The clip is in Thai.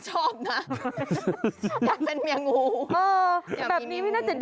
จริงมันคืองูอยู่ในห้องนอน